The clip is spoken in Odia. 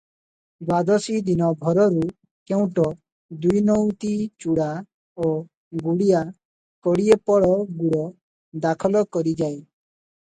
ଦ୍ଵାଦଶୀ ଦିନ ଭୋରରୁ କେଉଟ ଦୁଇନଉତି ଚୂଡ଼ା ଓ ଗୁଡ଼ିଆ କୋଡ଼ିଏପଳ ଗୁଡ଼ ଦାଖଲ କରିଯାଏ ।